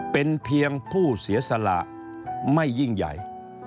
เป็นเพียงผู้เสียสละไม่ยิ่งใหญ่